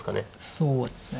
そうですね